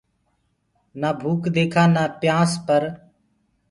نآ ڀوڪَ ديکانٚ نآ پيآنٚس پر